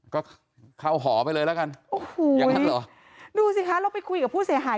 ก็เข้าหอไปเลยแล้วกันดูสิคะเราไปคุยกับผู้เสียหาย